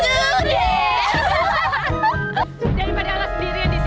daripada alas diri yang disini mendingan mampir ke belakang sekolah